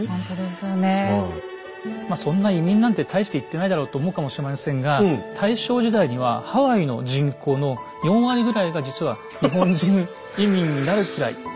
そんな移民なんて大して行ってないだろうと思うかもしれませんが大正時代にはハワイの人口の４割ぐらいが実は日本人移民になるくらい。